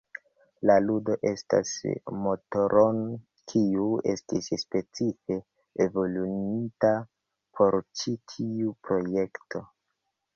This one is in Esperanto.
La ludo uzas motoron kiu estis specife evoluinta por ĉi tiu projekto.